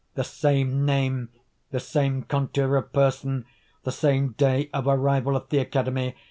The same name! the same contour of person! the same day of arrival at the academy!